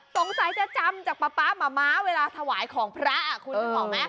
สงสัยจะจำจากป๊าป๊าม้าเวลาถวายของพระคุณนึกออกไหม